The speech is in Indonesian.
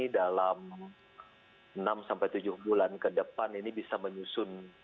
dalam enam sampai tujuh bulan ke depan ini bisa menyusun